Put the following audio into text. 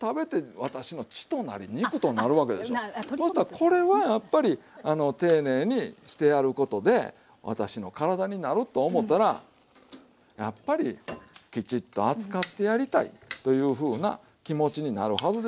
これはやっぱり丁寧にしてやることで私の体になると思ったらやっぱりきちっと扱ってやりたいというふうな気持ちになるはずですわ。